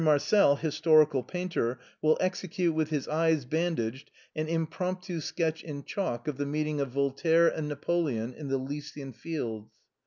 Marcel, historical painter, will execute with his eyes bandaged an impromptu sketch in chalk of the meeting of Voltaire and Napoleon in the Elysian Fields.